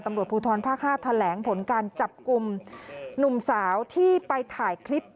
ตำรวจภูทรภาค๕แถลงผลการจับกลุ่มหนุ่มสาวที่ไปถ่ายคลิป